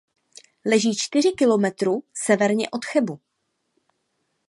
Leží čtyři kilometry severně od Chebu.